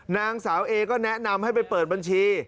นางสาวเอก็แนะนำให้ไปเปิดบัญชี